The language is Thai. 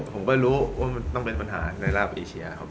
ผมก็รู้ว่ามันต้องเป็นปัญหาในราบเอเชียครับ